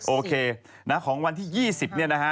โอเคนะของวันที่๒๐เนี่ยนะฮะ